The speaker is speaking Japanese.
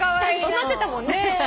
しまってたもん。